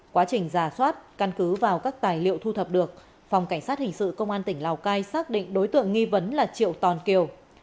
quá trình giả soát căn cứ vào các tài liệu thu thập được phòng cảnh sát hình sự công an tỉnh lào cai xác định đối tượng nghi vấn là triệu toàn kiều